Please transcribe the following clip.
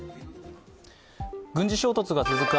軍事衝突が続く